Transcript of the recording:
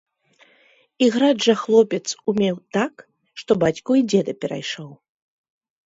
Іграць жа хлопец умеў так, што бацьку і дзеда перайшоў.